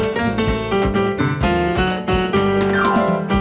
สวัสดีครับ